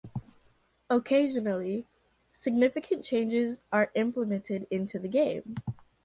Occasionally, significant changes are implemented into the game.